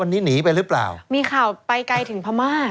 วันนี้หนีไปหรือเปล่ามีข่าวไปไกลถึงพม่า